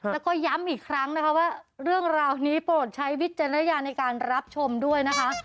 แล้วก็ย้ำอีกครั้งนะคะว่าเรื่องราวนี้โปรดใช้วิจารณญาณในการรับชมด้วยนะคะ